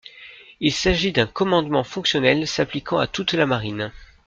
Il s'agit d'un commandement fonctionnel, s'appliquant à toute la Marine.